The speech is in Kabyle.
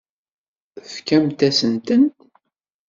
Tefkamt-asen-tent?